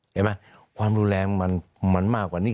เห็นไหมความรุนแรงมันมากกว่านี้